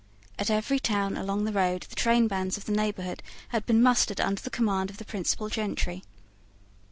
At every town along the road the trainbands of the neighbourhood had been mustered under the command of the principal gentry.